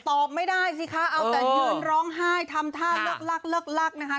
ตอบไม่ได้สิคะเอาแต่ยืนร้องไห้ทำท่าเลิกลักเลิกลักนะคะ